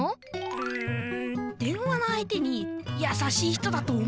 うん電話の相手にやさしい人だと思わせたいから！